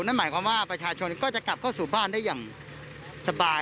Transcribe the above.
นั่นหมายความว่าประชาชนก็จะกลับเข้าสู่บ้านได้อย่างสบาย